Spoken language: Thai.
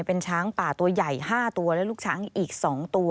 เป็นช้างป่าตัวใหญ่๕ตัวและลูกช้างอีก๒ตัว